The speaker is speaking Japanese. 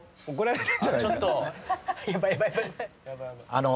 あの。